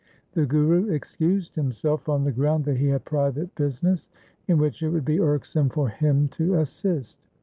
The Guru excused himself on the ground that he had private business, in which it would be irksome for him to assist.